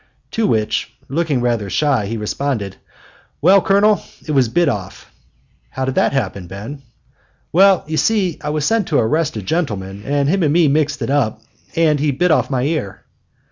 To which, looking rather shy, he responded: "Well, Colonel, it was bit off." "How did it happen, Ben?" "Well, you see, I was sent to arrest a gentleman, and him and me mixed it up, and he bit off my ear."